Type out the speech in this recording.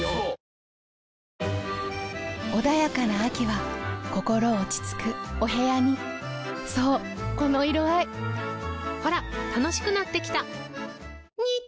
穏やかな秋は心落ち着くお部屋にそうこの色合いほら楽しくなってきた！